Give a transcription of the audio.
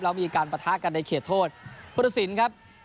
แล้วมีการปะทะกันในเขตโทษพุทธศิลป์ครับ